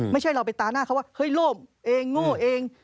ไม่ใช่เราไปตาหน้าเขาว่าเฮ้ยโลภเองโง่เอง